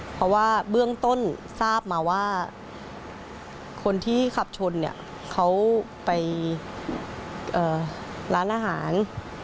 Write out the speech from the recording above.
เพราะว่าเบื้องต้นทราบมาว่าคนที่ขับชนเนี่ยเขาไปร้านอาหาร